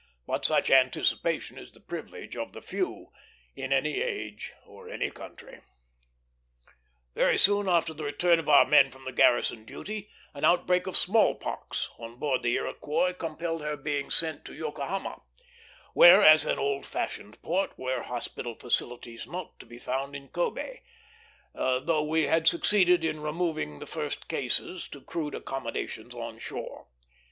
But such anticipation is the privilege of the few in any age or any country. Very soon after the return of our men from their garrison duty, an outbreak of small pox on board the Iroquois compelled her being sent to Yokohama, where, as an old established port, were hospital facilities not to be found in Kobé, though we had succeeded in removing the first cases to crude accommodations on shore.